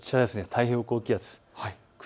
太平洋高気圧。